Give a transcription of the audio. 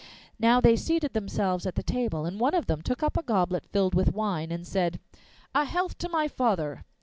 Now they seated themselves at the table, and one of them took up a goblet filled with wine, and said, 'A health to my father!